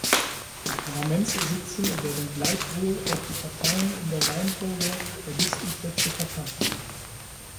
Die Parlamentssitze werden gleichwohl auf die Parteien in der Reihenfolge der Listenplätze verteilt.